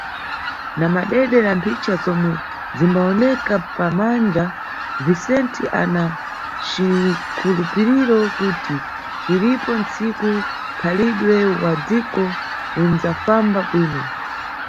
Na madede na mphicha zomwe zimbawoneka pa bandja, Vicente ana cikhulupiriro kuti iripo ntsiku nkhalidwe wa dziko unʼdzafamba bwino.